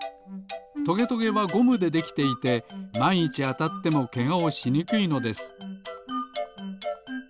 トゲトゲはゴムでできていてまんいちあたってもけがをしにくいのです。